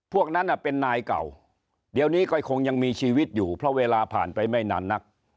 พวกนั้นเป็นนายเก่าเดี๋ยวนี้ก็คงยังมีชีวิตอยู่เพราะเวลาผ่านไปไม่นานนัก